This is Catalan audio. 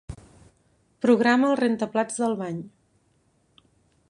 Programa el rentaplats del bany.